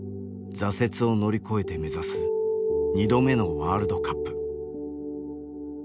挫折を乗り越えて目指す２度目のワールドカップ。